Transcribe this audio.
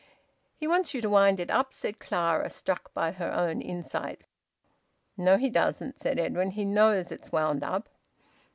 "He wants you to wind it up," said Clara, struck by her own insight. "No, he doesn't," said Edwin. "He knows it's wound up."